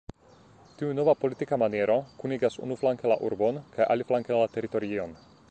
Tiu nova politika maniero, kunigas unuflanke la urbon kaj aliflanke la teritorion.